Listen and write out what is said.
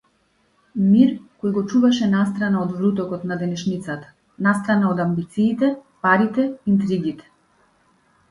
Мир кој го чуваше настрана од врутокот на денешницата, настрана од амбициите, парите, интригите.